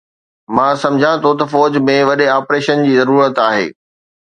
مان سمجهان ٿو ته فوج ۾ وڏي آپريشن جي ضرورت آهي